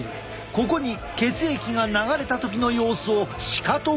ここに血液が流れた時の様子をしかとご覧いただきたい。